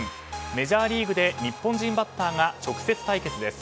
メジャーリーグで日本人バッターが直接対決です。